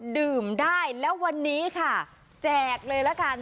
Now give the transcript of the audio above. ดื่มได้แล้ววันนี้ค่ะแจกเลยละกัน